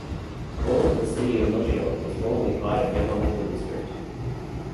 All of the city of Noshiro was formerly part of Yamamoto District.